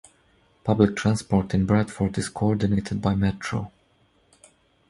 Public transport in Bradford is co-ordinated by Metro.